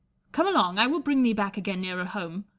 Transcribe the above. Come along : I will bring thee back again nearer home.